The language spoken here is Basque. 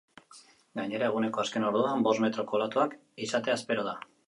Gainera, eguneko azken orduan bost metroko olatuak izatea espero da.